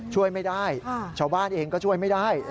ช่วยไม่ได้ชาวบ้านเองก็ช่วยไม่ได้